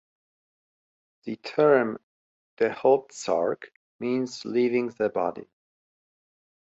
The term 'Dehotsarg' means 'leaving the body'.